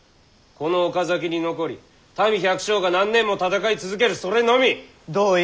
この岡崎に残り民百姓が何年も戦い続けるそれのみ！同意！